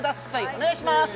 お願いします！